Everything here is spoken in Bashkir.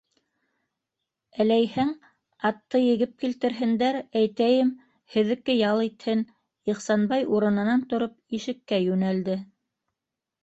Әләйһәң, атты егеп килтерһендәр, әйтәйем, һеҙҙеке... ял итһен, - Ихсанбай, урынынан тороп, ишеккә йүнәлде.